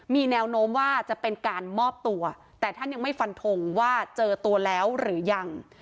มีแนวโน้มว่าจะเป็นการมอบตัวแต่ท่านยังไม่ฟันทงว่าเจอตัวแล้วหรือยัง